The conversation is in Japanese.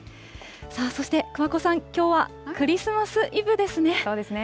さあそして、桑子さん、きょうはクリスマスイブですね。